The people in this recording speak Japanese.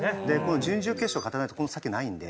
準々決勝勝たないとこの先はないので。